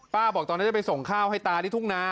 บอกตอนนั้นจะไปส่งข้าวให้ตาที่ทุ่งนา